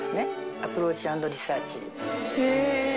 アプローチ＆リサーチ。へ。